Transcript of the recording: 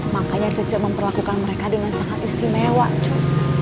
makanya cece memperlakukan mereka dengan sangat istimewa cu